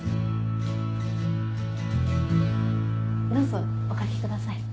どうぞおかけください。